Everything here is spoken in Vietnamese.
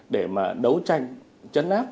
để đấu tranh chấn áp